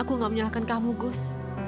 aku tidak menyalahkanmu gus